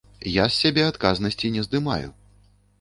Я з сябе адказнасці не здымаю.